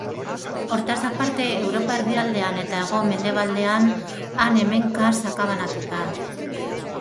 Hortaz aparte Europa erdialdean eta hego-mendebaldean han-hemenka sakabanatuta.